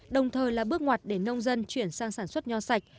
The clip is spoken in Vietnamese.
đồng thời là bước ngoặt để nông dân chuyển sang sản xuất nho sạch